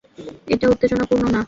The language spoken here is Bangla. এটা উত্তেজনাপূর্ণ না।